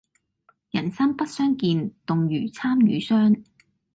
人生不相見，動如參與商。